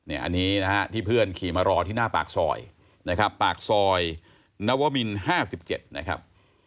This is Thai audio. อันนี้นะฮะที่เพื่อนขี่มารอที่หน้าปากซอยนะครับปากซอยนวมิน๕๗นะครับ